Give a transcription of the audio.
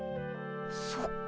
そっか。